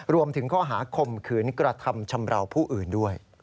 รวมถึงข้อหาข่มขืนกระทำชำราวผู้อื่นด้วย